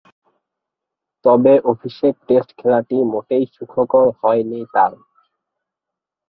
তবে, অভিষেক টেস্ট খেলাটি মোটেই সুখকর হয়নি তার।